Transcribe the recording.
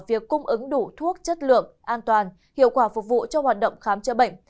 việc cung ứng đủ thuốc chất lượng an toàn hiệu quả phục vụ cho hoạt động khám chữa bệnh